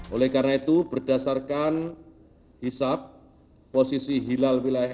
oleh karena itu berdasarkan hisap posisi hilal wilayah